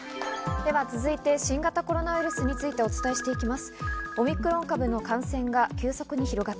では続いて、新型コロナウイルスについてお伝えしていきます。